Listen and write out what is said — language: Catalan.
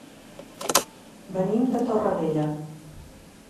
Venim de Torrevella.